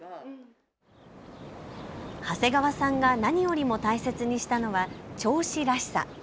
長谷川さんが何よりも大切にしたのは銚子らしさ。